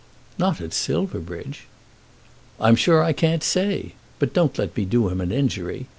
"Not at Silverbridge!" "I'm sure I can't say. But don't let me do him an injury.